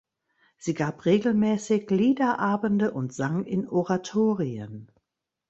Sie gab regelmäßig Liederabende und sang in Oratorien.